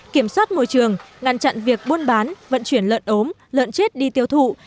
kiểm soát môi trường ngăn chặn việc buôn bán vận chuyển lợn ốm lợn chết đi tiêu thụ